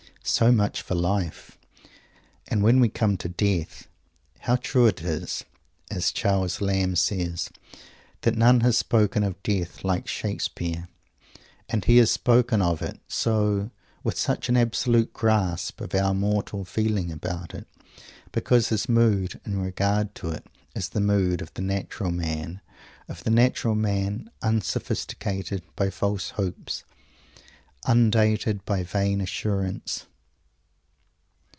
So much for Life! And when we come to Death, how true it is, as Charles Lamb says, that none has spoken of Death like Shakespeare! And he has spoken of it so with such an absolute grasp of our mortal feeling about it because his mood in regard to it is the mood of the natural man; of the natural man, unsophisticated by false hopes, undated by vain assurance.